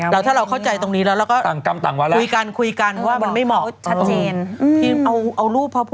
แล้วถ้าเราเข้าใจตรงนี้แล้วก็คุยกันคุยกันว่ามันไม่เหมาะ